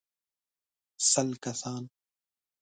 سل کسان.